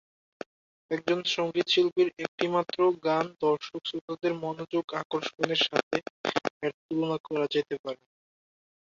একজন সঙ্গীত শিল্পীর একটিমাত্র গান দর্শক-শ্রোতাদের মনোযোগ আকর্ষণের সাথে এর তুলনা করা যেতে পারে।